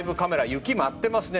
雪、舞っていますね。